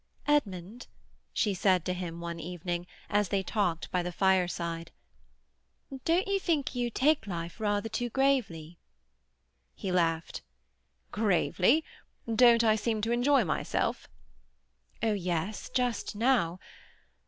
"Edmund," she said to him one evening, as they talked by the fireside, "don't you think you take life rather too gravely?" He laughed. "Gravely? Don't I seem to enjoy myself?" "Oh yes; just now.